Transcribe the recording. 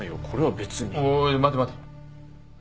おーい待て待て。